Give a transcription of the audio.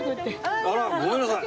あらごめんなさい。